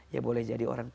ya boleh jadi orang tua